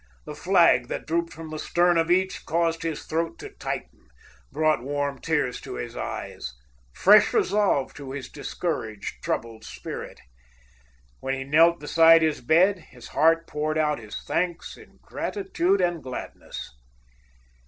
The flag that drooped from the stern of each caused his throat to tighten, brought warm tears to his eyes, fresh resolve to his discouraged, troubled spirit. When he knelt beside his bed, his heart poured out his thanks in gratitude and gladness.